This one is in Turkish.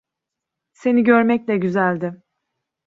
Seni görmek de güzeldi.